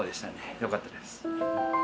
よかったです。